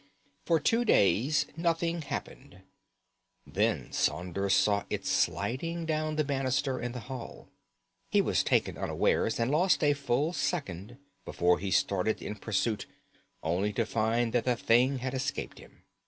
For two days nothing happened. Then Saunders saw it sliding down the banister in the hall. He was taken unawares, and lost a full second before he started in pursuit, only to find that the thing had escaped him.